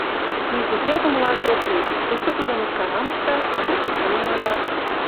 Нигузеат умылаш ок лий: кушто тудо мыскарам ышта, а кушто чыным ойла.